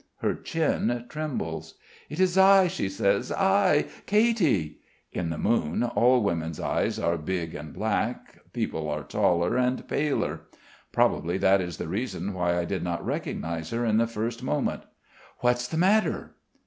Her chin trembles. "It is I...." she says, "I ... Katy!" In the moon all women's eyes are big and black, people are taller and paler. Probably that is the reason why I did not recognise her in the first moment. "What's the matter?"